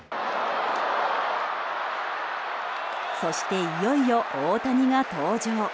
そして、いよいよ大谷が登場。